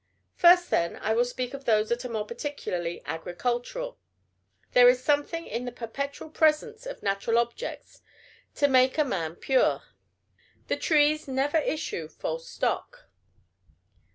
First, then, I will speak of those that are more particularly agricultural. There is something in the perpetual presence of natural objects to make a man pure. The trees never issue "false stock."